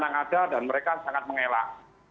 yang ada dan mereka sangat mengelak